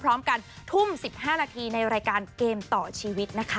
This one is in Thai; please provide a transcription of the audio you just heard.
พร้อมกันทุ่ม๑๕นาทีในรายการเกมต่อชีวิตนะคะ